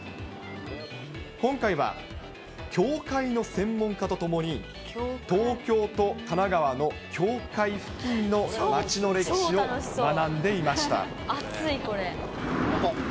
今回は、境界の専門家と共に、東京と神奈川の境界付近の町の歴史を学んでいました。